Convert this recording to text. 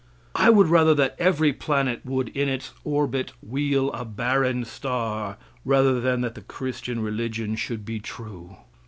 I would rather that every planet would in its orbit wheel a barren star rather than that the Christian religion should be true.